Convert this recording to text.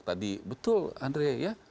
tadi betul andre ya